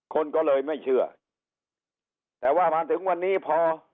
คนก็เลยไม่เชื่อแต่ว่ามาถึงวันนี้พอ